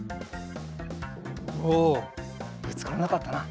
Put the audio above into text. おおぶつからなかったな。